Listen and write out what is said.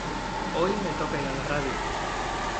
Hoy me toca ir a la radio